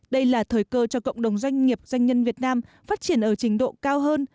đây là thời cơ cho cộng đồng doanh nghiệp doanh nhân việt nam phát triển ở trình độ cao hơn